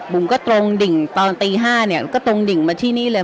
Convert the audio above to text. บุ๋มก็ตรงดิ่งตอนตี๕เนี่ยก็ตรงดิ่งมาที่นี่เลย